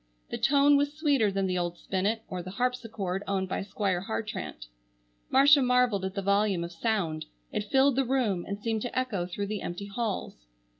The tone was sweeter than the old spinet, or the harpsichord owned by Squire Hartrandt. Marcia marvelled at the volume of sound. It filled the room and seemed to echo through the empty halls.